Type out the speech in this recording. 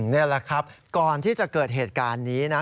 นี่แหละครับก่อนที่จะเกิดเหตุการณ์นี้นะ